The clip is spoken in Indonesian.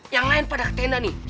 yang lain pada tenda nih